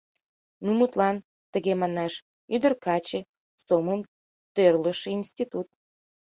— Ну, мутлан, тыге манаш: «Ӱдыр-каче сомылым тӧрлышӧ институт».